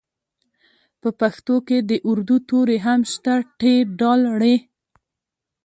په پښتو کې د اردو توري هم شته ټ ډ ړ